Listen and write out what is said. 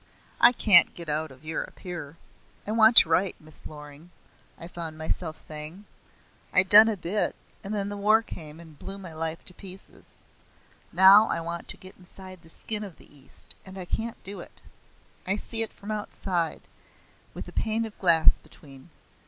I can't get out of Europe here. I want to write, Miss Loring," I found myself saying. "I'd done a bit, and then the war came and blew my life to pieces. Now I want to get inside the skin of the East, and I can't do it. I see it from outside, with a pane of glass between.